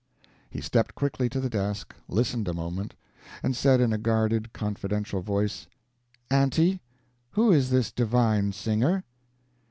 He stepped quickly to the desk, listened a moment, and said in a guarded, confidential voice, "Aunty, who is this divine singer?"